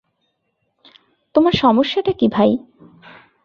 তোমার সমস্যাটা কী, ভাই?